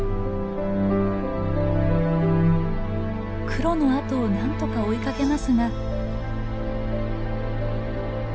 クロの後をなんとか追いかけますが。